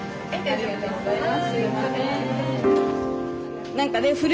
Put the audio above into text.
ありがとうございます。